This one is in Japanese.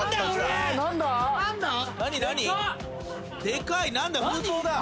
でかい何だ。